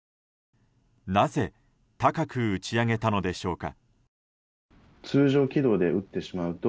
なぜ高く打ち上げたのでしょうか。